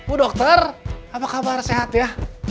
oh dokter apa kabar sehat ya